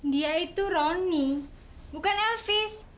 dia itu roni bukan elvis